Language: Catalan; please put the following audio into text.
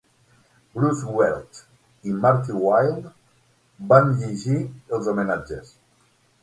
Bruce Welch i Marty Wilde van llegir els homenatges.